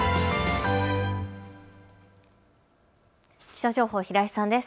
気象情報、平井さんです。